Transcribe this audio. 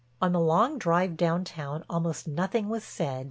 On the long drive downtown almost nothing was said.